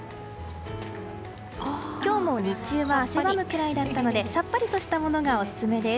今日も日中は汗ばむくらいだったのでさっぱりとしたものがオススメです。